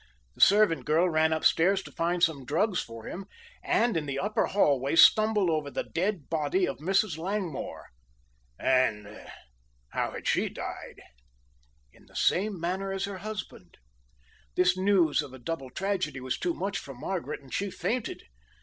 The servant girl ran upstairs to find some drugs for him and in the upper hallway stumbled over the dead body of Mrs. Langmore." "And how had she died?" "In the same manner as her husband. This news of a double tragedy was too much for Margaret, and she fainted.